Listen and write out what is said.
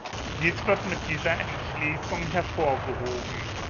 Dies wird mit dieser Entschließung hervorgehoben.